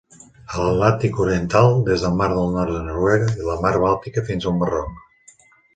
A l'Atlàntic oriental, des del nord de Noruega i la Mar Bàltica fins al Marroc.